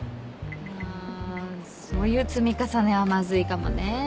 あそういう積み重ねはマズいかもね。